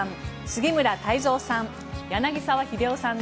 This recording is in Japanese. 杉村太蔵さん